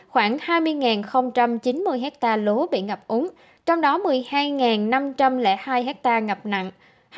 khoảng hai mươi chín mươi hectare lúa bị ngập úng trong đó một mươi hai năm trăm linh hai hectare ngập nặng